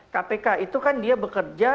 kpk itu kan dia bekerja